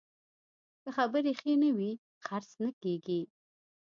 که خبرې ښې نه وي، خرڅ نه کېږي.